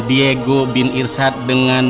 dego bin irshad dengan